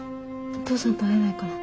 お父さんと会えないかな？